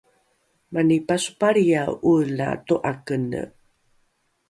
mani pasopalriae ’oela to’akene